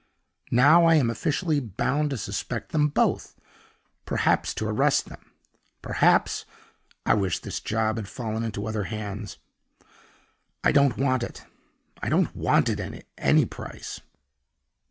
Now I am officially bound to suspect them both; perhaps to arrest them; perhaps I wish this job had fallen into other hands. I don't want it I don't want it at any price!"